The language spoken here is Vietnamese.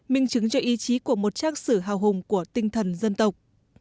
minh chứng cho ý chí của một trang sử hào hùng của tinh thần dân tộc